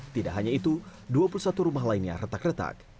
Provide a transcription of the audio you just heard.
tidak hanya itu dua puluh satu rumah lainnya retak retak